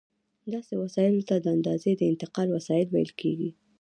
داسې وسایلو ته د اندازې د انتقال وسایل ویل کېږي.